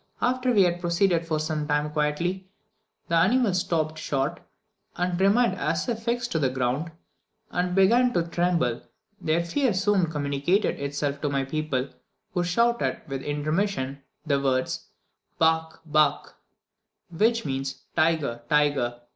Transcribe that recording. After we had proceeded for some time quietly, the animals stopped short and remained as if fixed to the ground, and began to tremble; their fear soon communicated itself to my people, who shouted, without intermission, the words "Bach! bach!" which means "Tiger! tiger!"